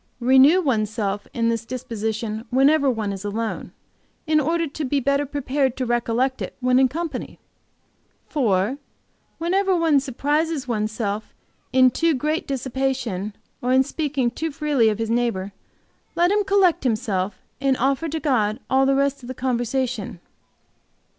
Renew one's self in this disposition whenever one is alone, in order to be better prepared to recollect it when in company. "4. Whenever one surprises one's self in too great dissipation, or in speaking too freely of his neighbor, let him collect himself and offer to God all the rest of the conversation.